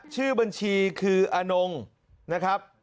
ชื่อบัญชีคืออนงนะครับ